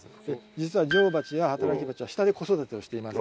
実は女王蜂や働きバチは下で子育てをしています。